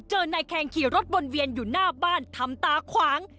เจอนายแคงขี่รถวนเวียนอยู่หน้าบ้านทำตาขวาง